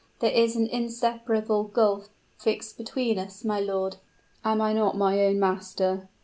There is an inseparable gulf fixed between us, my lord." "Am I not my own master?